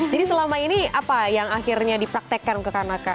jadi selama ini apa yang akhirnya dipraktekkan kekanakak